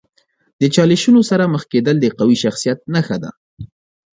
د چالشونو سره مخ کیدل د قوي شخصیت نښه ده.